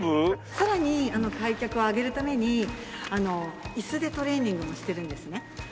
さらに開脚を上げるために椅子でトレーニングもしてるんですね。